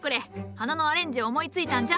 花のアレンジ思いついたんじゃ。